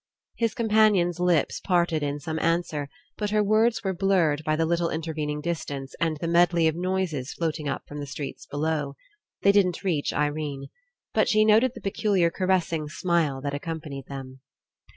His companion's lips parted In some answer, but her words were blurred by the little intervening distance and the medley of noises floating up from the streets below. They didn't reach Irene. But she noted the peculiar caressing smile that accompanied them.